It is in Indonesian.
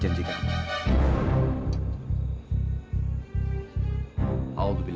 coba dimakan dulu